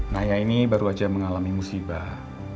naya ini baru aja mengalami musibah